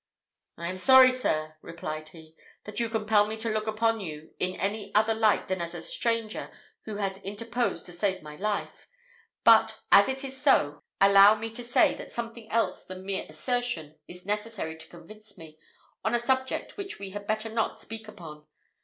"I am sorry, sir," replied he, "that you compel me to look upon you in any other light than as a stranger who has interposed to save my life; but as it is so, allow me to say, that something else than mere assertion is necessary to convince me, on a subject which we had better not speak upon.